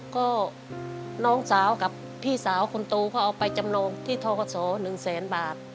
ก็น้องสาวกับพี่สาวคนโตเขาเอาไปจำนองที่ทกศ๑แสนบาท